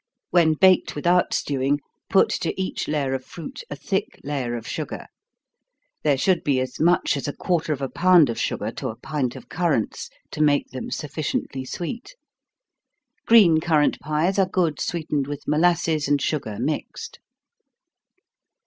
When baked without stewing, put to each layer of fruit a thick layer of sugar. There should be as much as a quarter of a pound of sugar to a pint of currants, to make them sufficiently sweet. Green currant pies are good sweetened with molasses and sugar mixed.